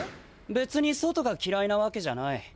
べつに外がきらいなわけじゃない。